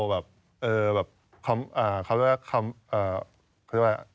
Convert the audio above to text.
ความแข่งขัน